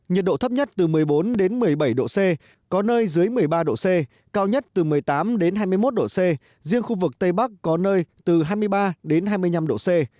nhiệt độ thấp nhất từ một mươi bốn đến một mươi bảy độ c có nơi dưới một mươi ba độ c cao nhất từ một mươi tám hai mươi một độ c riêng khu vực tây bắc có nơi từ hai mươi ba đến hai mươi năm độ c